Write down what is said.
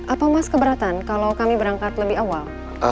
apa mas keberatan kalau kami berangkat lebih awal